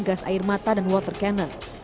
gas air mata dan water cannon